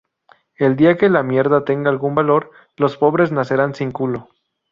El día que la mierda tenga algún valor, los pobres nacerán sin culo